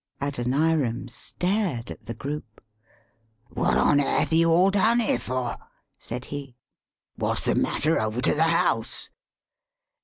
Adoniram stared at the group. " What on airth you all down here for?" said he. "What's the matter over to the house?"